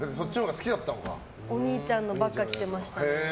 お兄ちゃんのばっか着てましたね。